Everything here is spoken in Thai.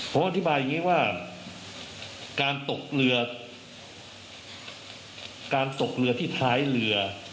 ผมอธิบายอย่างนี้ว่าการตกเรือการตกเรือที่ท้ายเรือ